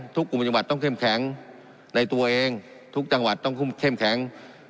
กลุ่มจังหวัดต้องเข้มแข็งในตัวเองทุกจังหวัดต้องเข้มแข็ง